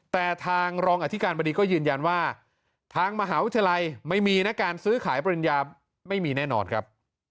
แต่ทางรองอธิการบดีก็ยืนยันว่าทางมหาวิทยาลัยไม่มีนะการซื้อขายปริญญาไม่มีแน่นอนครับ